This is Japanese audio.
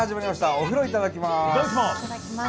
「お風呂いただきます」。